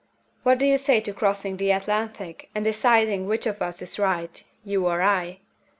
What do you say to crossing the Atlantic, and deciding which of us is right you or I?